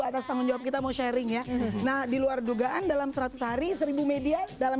atas tanggung jawab kita mau sharing ya nah diluar dugaan dalam seratus hari seribu media dalam